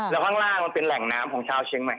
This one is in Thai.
แล้วข้างล่างมันเป็นแหล่งน้ำของชาวเชียงใหม่